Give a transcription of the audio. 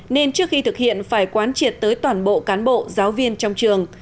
nên trước khi thực hiện phải quán triệt tới toàn bộ cán bộ giáo viên trong trường